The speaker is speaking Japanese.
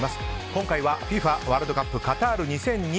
今回はＦＩＦＡワールドカップカタール２０２２